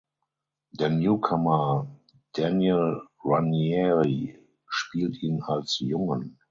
Der Newcomer Daniel Ranieri spielt ihn als Jungen.